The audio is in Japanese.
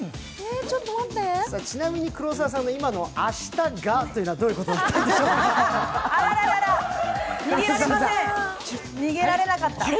ちなみに黒沢さんの今の「明日が」というのはどういう意味でしょうか。